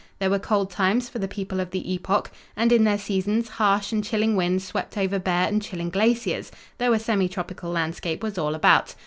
There were cold times for the people of the epoch and, in their seasons, harsh and chilling winds swept over bare and chilling glaciers, though a semi tropical landscape was all about.